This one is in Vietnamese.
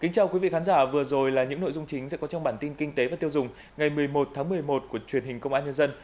chào mừng quý vị đến với bản tin kinh tế và tiêu dùng ngày một mươi một tháng một mươi một của truyền hình công an nhân dân